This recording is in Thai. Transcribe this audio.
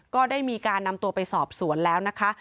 ก็ได้มีการนำตัวไปสอบสวนแล้วนะคะ